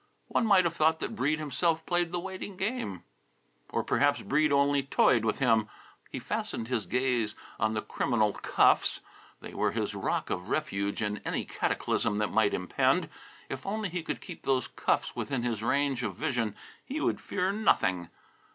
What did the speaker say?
One might have thought that Breede himself played the waiting game. Or perhaps Breede only toyed with him. He fastened his gaze on the criminal cuffs. They were his rock of refuge in any cataclysm that might impend. If only he could keep those cuffs within his range of vision he would fear nothing.